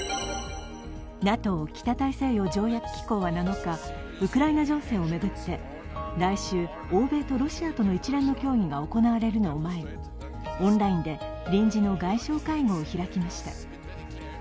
ＮＡＴＯ＝北大西洋条約機構は７日、ウクライナ情勢を巡って、来週、欧米とロシアとの一連の協議が行われるのを前にオンラインで臨時の外相会合を開きました。